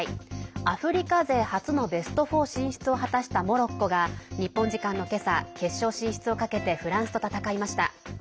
アフリカ勢初のベスト４進出を果たしたモロッコが日本時間の今朝決勝進出をかけてフランスと戦いました。